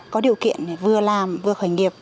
có điều kiện để vừa làm vừa khởi nghiệp